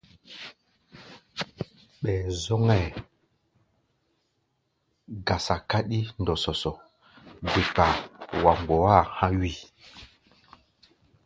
Be-zɔ́ŋáʼɛ gasa káɗí ndɔsɔsɔ, de kpaa wa mgbɔá a̧ há̧ wíi.